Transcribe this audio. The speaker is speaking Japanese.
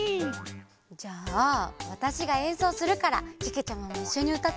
じゃあわたしがえんそうするからけけちゃまもいっしょにうたってくれる？